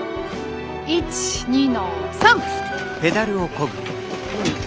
１２の３！